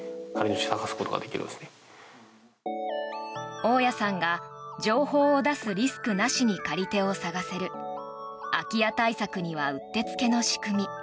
大家さんが情報を出すリスクなしに借り手を探せる空き家対策にはうってつけの仕組み。